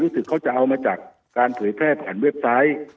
ถึงเขาจะเอามาจากการเผยแพร่ผ่านเว็บไซต์